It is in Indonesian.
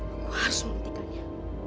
aku harus memutihkannya